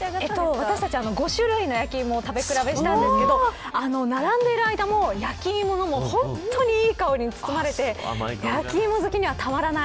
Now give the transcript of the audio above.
私たちは５種類の焼き芋を食べ比べしたんですけど並んでいる間も焼き芋の本当にいい香りに包まれて焼き芋好きには、たまらない。